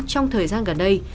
trong thời gian gần đây